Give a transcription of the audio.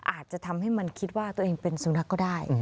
อาจจะทำให้มันคิดว่าตัวเองเป็นสุนัขก็ได้